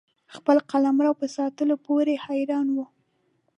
خپل قلمرو په ساتلو پوري حیران وو.